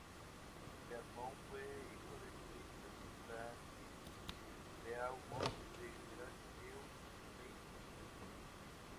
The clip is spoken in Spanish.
Beaumont fue hijo del jurista Sir Francis Beaumont de Grace Dieu, Leicestershire.